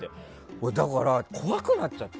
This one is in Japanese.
俺、だから怖くなっちゃって。